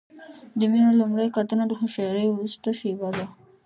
د مینې لومړۍ کتنه د هوښیارۍ وروستۍ شېبه وي.